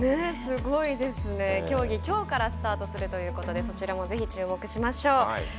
競技、きょうからスタートするということでそちらもぜひ注目しましょう。